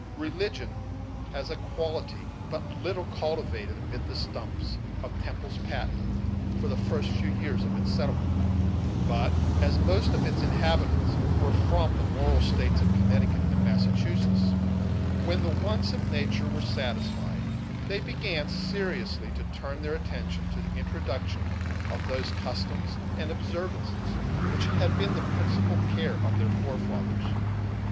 Religion was a quality but little cultivated amid the stumps of Temple's Patent for the first few years of its settlement; but, as most of its inhabitants were from the moral States of Connecticut and Massachusetts, when the wants of nature were satisfied they began seriously to turn their attention to the introduction of those customs and observances which had been the principal care of their fore fathers.